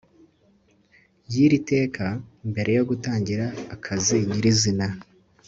ya y iri teka mbere yo gutangira akazi nyir izina